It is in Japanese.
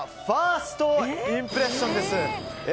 ファーストインプレッションです。